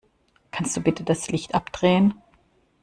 Kannst du bitte das Licht abdrehen?